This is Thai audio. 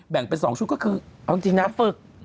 แบ่งเป็น๒ชุดก็คือเอาจริงนะฝึก